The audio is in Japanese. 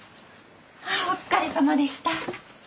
お疲れさまでした。